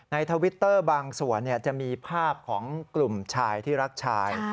ทวิตเตอร์บางส่วนจะมีภาพของกลุ่มชายที่รักชาย